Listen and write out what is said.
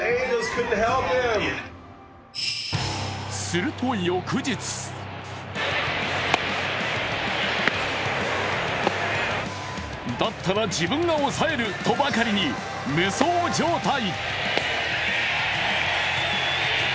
すると翌日だったら自分が抑えるとばかりに無双状態。